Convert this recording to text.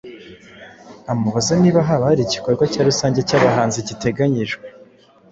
amubaza niba haba hari igikorwa cya rusange cy'abahanzi giteganyijwe